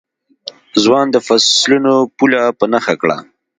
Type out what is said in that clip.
ځوان د فصلونو پوله په نښه کړه.